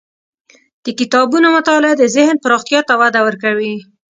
د کتابونو مطالعه د ذهن پراختیا ته وده ورکوي.